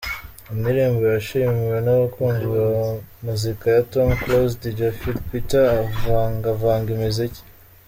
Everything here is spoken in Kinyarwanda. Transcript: " indirimbo yishimiwe n'abakunzi ba muzika ya Tom CloseDj Phil Peter avangavanga imiziki.